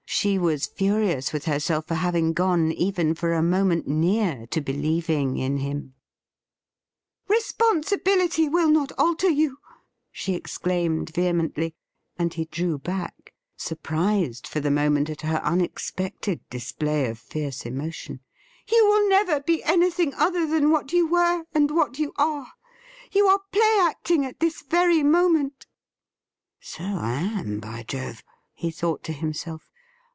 She was fin:ious with herself for having gone even for a moment near to believing in him. 'HAST THOU FOUND ME OUT?' 225 ' Responsibility will not alter you !' she exclaimed vehe mently ; and he drew back, surprised for the moment at her unexpected display of fierce emotion. ' You will never be anything other than what you were and what you are. You are play acting at this very moment ''' So I am, by Jove !' he thought to himself.